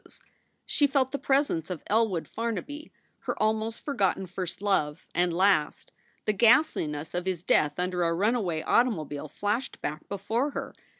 She felt the presence of Elwood Farnaby, her almost forgotten first love, and last. The ghastliness of his death under a runaway automobile flashed back before her.